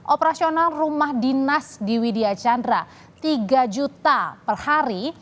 operasional rumah dinas di widya chandra tiga juta per hari